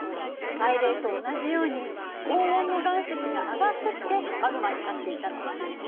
海嶺と同じように高温の岩石が上がってきてマグマになっていたの。